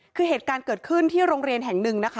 คือเหตุการณ์เกิดขึ้นที่โรงเรียนแห่งหนึ่งนะคะ